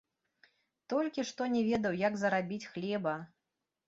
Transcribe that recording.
Толькі што не ведаў, як зарабіць хлеба!